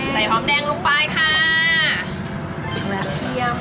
ใส่น้ำมันแดงใส่น้ำมันแดงลงไปค่ะ